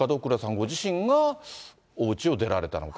ご自身がおうちを出られたのか。